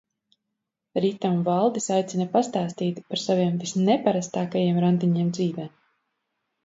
Rita un Valdis aicina pastāstīt par saviem visneparastākajiem randiņiem dzīvē.